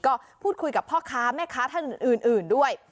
ก็พูดคุยกับพ่อค้าแม่ค้าท่านอื่นด้วย